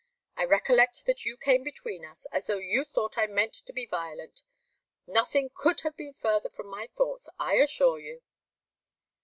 I recollect that you came between us, as though you thought I meant to be violent. Nothing could have been further from my thoughts, I assure you."